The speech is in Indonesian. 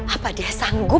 apa dia sanggup